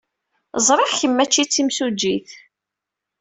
Ẓriɣ kemm maci d timsujjit.